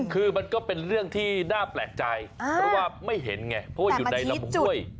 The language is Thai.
คือมันก็เป็นเรื่องที่น่าแปลกใจเพราะว่าไม่เห็นไงเพราะว่าอยู่ในลำห้วย